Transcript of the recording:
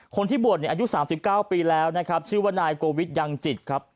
คนที่บวชอายุ๓๙ปีแล้วชื่อว่านายโกวิทยังจิต